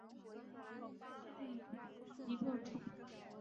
川滇马铃苣苔为苦苣苔科马铃苣苔属下的一个种。